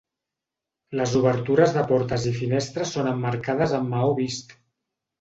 Les obertures de portes i finestres són emmarcades amb maó vist.